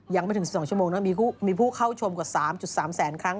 ยังไม่ถึง๑๒ชั่วโมงนะมีผู้เข้าชมกว่า๓๓แสนครั้ง